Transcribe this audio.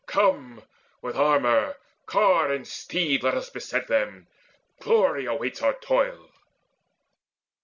Come, with armour, car, and steed Let us beset them. Glory waits our toil?"